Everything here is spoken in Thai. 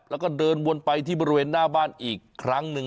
แล้วก็เดินวนไปที่บริเวณหน้าบ้านอีกครั้งหนึ่ง